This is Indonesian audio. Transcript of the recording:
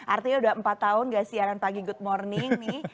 artinya udah empat tahun gak siaran pagi good morning nih